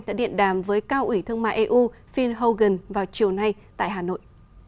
đã điện đàm với cao ủy thương mại eu phil hogan vào chiều nay tại hà nội